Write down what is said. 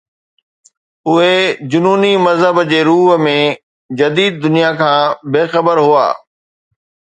اهي جنوني مذهب جي روح ۽ جديد دنيا کان بي خبر هئا